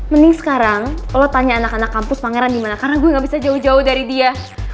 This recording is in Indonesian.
mending sekarang lo tanya anak anak kampus pangeran gimana karena gue gak bisa jauh jauh dari dia